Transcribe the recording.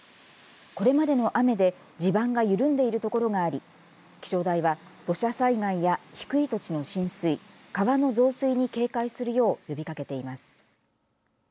これまでの雨で地盤が緩んでいる所があり気象台は土砂災害や低い土地の浸水川の増水に警戒するよう呼びかけています。